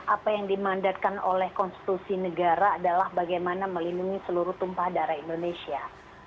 apa yang dimandatkan oleh konstitusi negara adalah bagaimana melindungi seluruh tumpah darah indonesia